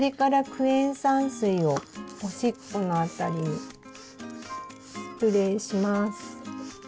クエン酸水をおしっこのあたりにスプレーします。